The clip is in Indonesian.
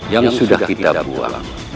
yang sudah kita buang